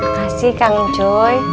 makasih kang ibu